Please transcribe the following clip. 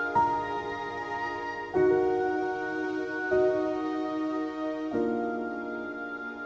suara dia melecet